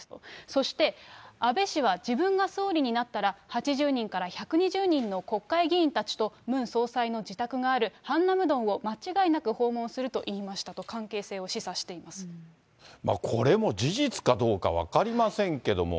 そして、安倍氏は自分が総理になったら８０人から１２０人の国会議員たちとムン総裁の自宅があるハンナムドンを間違いなく訪問すると言いこれも事実かどうか分かりませんけども。